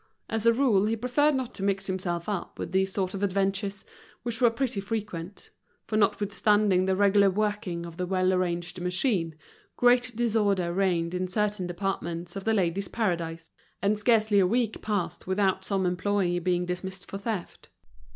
As a rule, he preferred not to mix himself up with these sort of adventures, which were pretty frequent; for notwithstanding the regular working of the well arranged machine, great disorder reigned in certain departments of The Ladies' Paradise, and scarcely a week passed without some employee being dismissed for theft.